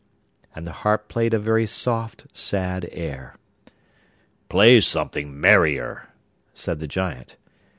And the harp played a very soft, sad air. 'Play something merrier!' said the Giant.